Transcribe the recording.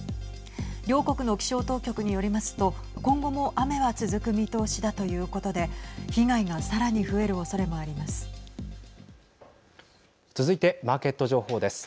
両国の気象当局によりますと今後も雨が続く見通しだということで被害がさらに増えるおそれもあります。